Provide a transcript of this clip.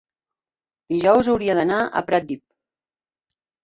dijous hauria d'anar a Pratdip.